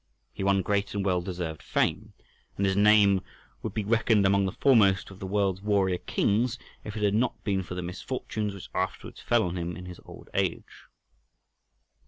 He won great and well deserved fame, and his name would be reckoned among the foremost of the world's warrior kings if it had not been for the misfortunes which afterwards fell on him in his old age.